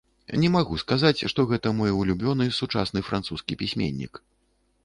Не магу сказаць, што гэта мой улюбёны сучасны французскі пісьменнік.